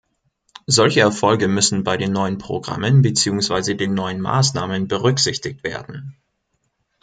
Solche Erfolge müssen bei den neuen Programmen beziehungsweise den neuen Maßnahmen berücksichtigt werden.